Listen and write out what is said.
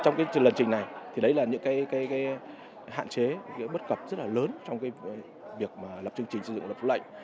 trong cái lần trình này thì đấy là những cái hạn chế những bất cập rất là lớn trong việc lập chương trình xây dựng luật pháp lệnh